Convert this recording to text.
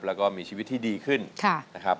แล้วก็มีชีวิตที่ดีขึ้นนะครับ